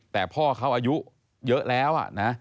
แต่พ่อเขาอายุเยอะแล้วนะ